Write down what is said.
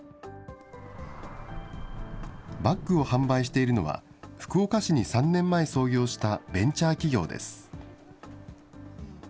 バッグを販売しているのは、福岡市に３年前創業したベンチャー企業です。